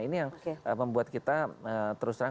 ini yang membuat kita terus terang